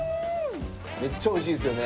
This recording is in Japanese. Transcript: めっちゃおいしいですよね？